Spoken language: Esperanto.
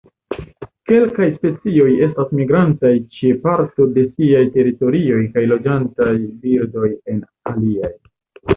Kelkaj specioj estas migrantaj ĉe parto de siaj teritorioj kaj loĝantaj birdoj en aliaj.